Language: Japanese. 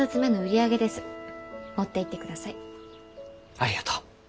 ありがとう。